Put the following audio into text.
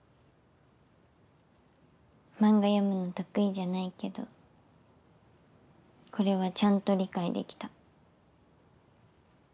漫画読むの得意じゃないけどこれはちゃんと理解できた。